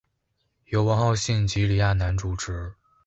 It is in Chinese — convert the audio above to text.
由王浩信及李亚男主持。